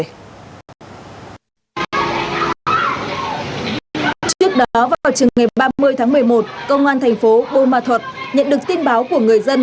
trước đó vào trường ngày ba mươi tháng một mươi một công an thành phố bô ma thuật nhận được tin báo của người dân